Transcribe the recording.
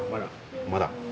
まだ。